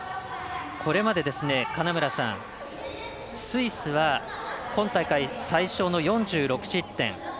これまで、金村さんスイスは今大会、最少の４６失点。